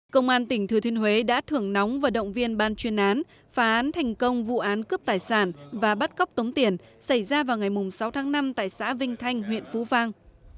công an tỉnh thừa thiên huế đã thưởng nóng và động viên ban chuyên án phá án thành công vụ án cướp tài sản và bắt cóc tống tiền xảy ra vào ngày sáu tháng năm tại xã vinh thanh huyện phú vang